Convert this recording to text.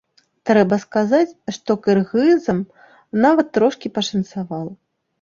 Трэба сказаць, што кыргызам нават трошкі пашанцавала.